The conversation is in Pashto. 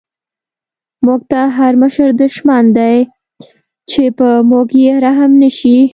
موږ ته هر مشر دشمن دی، چی په موږ یې رحم نه شی